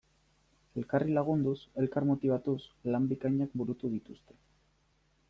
Elkarri lagunduz, elkar motibatuz, lan bikainak burutu dituzte.